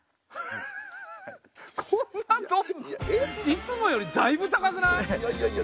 いつもよりだいぶ高くない？